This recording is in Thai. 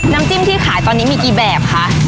น้ำจิ้มที่ขายตอนนี้มีกี่แบบคะ